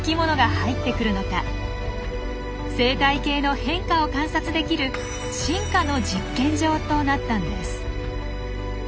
生態系の変化を観察できる「進化の実験場」となったんです。